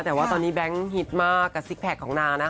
แต่ว่าตอนนี้แบงค์ฮิตมากกับซิกแพคของนางนะคะ